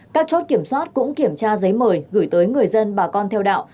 các chốt kiểm soát cũng kiểm tra giấy mời gửi tới người dân bà con theo đạo